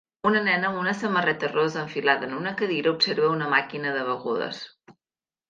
Una nena amb una samarreta rosa enfilada en una cadira observa una màquina de begudes.